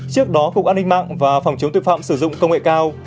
trước đó cục an ninh mạng và phòng chống tội phạm sử dụng công nghệ cao